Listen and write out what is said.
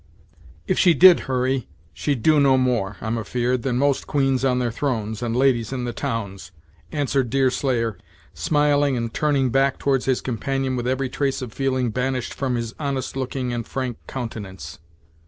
"If she did, Hurry, she'd do no more, I'm afeard, than most queens on their thrones, and ladies in the towns," answered Deerslayer, smiling, and turning back towards his companion with every trace of feeling banished from his honest looking and frank countenance.